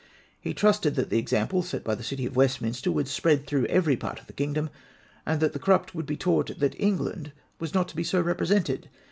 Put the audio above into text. He trusted that the example set by the City of Westminster would spread through every part of the kingdom, and that the corrupt would be taught that England was not to be so represented.